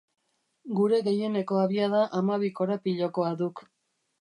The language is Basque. Gure gehieneko abiada hamabi korapilokoa duk.